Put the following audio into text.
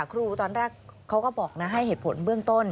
ครูตอนแรกเขาก็บอกนะให้เหตุผลเบื้องต้น